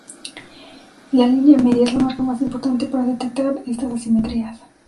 La línea media es la marca más importante para detectar estas asimetrías.